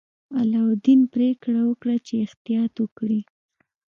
علاوالدین پریکړه وکړه چې احتیاط وکړي.